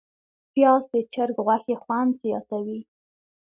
پیاز د چرګ غوښې خوند زیاتوي